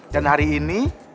dan hari ini